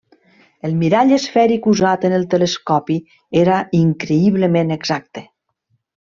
El mirall esfèric usat en el telescopi era increïblement exacte.